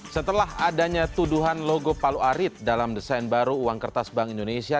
setelah adanya tuduhan logo palu arit dalam desain baru uang kertas bank indonesia